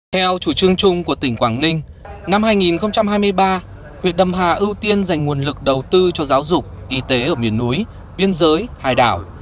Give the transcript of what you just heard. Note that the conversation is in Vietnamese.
theo chủ trương chung của tỉnh quảng ninh năm hai nghìn hai mươi ba huyện đầm hà ưu tiên dành nguồn lực đầu tư cho giáo dục y tế ở miền núi biên giới hải đảo